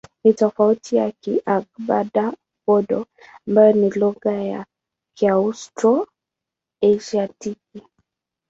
Ni tofauti na Kigadaba-Bodo ambayo ni lugha ya Kiaustro-Asiatiki.